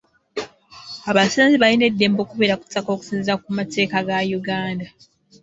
Abasenze balina eddembe okubeera ku ttaka okusinziira ku mateeka ga Uganda.